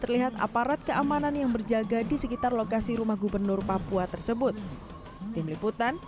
terlihat aparat keamanan yang berjaga di sekitar lokasi rumah gubernur papua tersebut tim liputan